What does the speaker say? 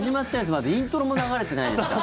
まだイントロも流れてないですから。